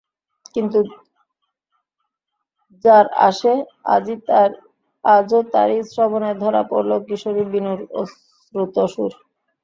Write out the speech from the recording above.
কিন্তু যার আসে, আজও তারই শ্রবণে ধরা পড়ল কিশোরী বিনুর অশ্রুত সুর।